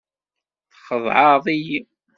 Txedɛeḍ-iyi.